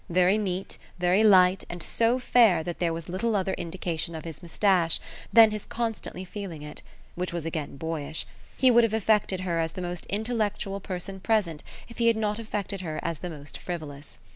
Very neat, very light, and so fair that there was little other indication of his moustache than his constantly feeling it which was again boyish he would have affected her as the most intellectual person present if he had not affected her as the most frivolous.